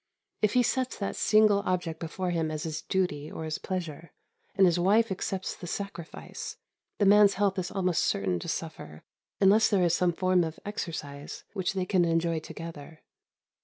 If he sets that single object before him as his duty or his pleasure, and his wife accepts the sacrifice, the man's health is almost certain to suffer, unless there is some form of exercise which they can enjoy together.